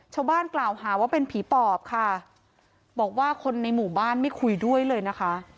ชาวบ้านกล่าวหาว่าเป็นผีปอบค่ะบอกว่าคนในหมู่บ้านไม่คุยด้วยเลยนะคะ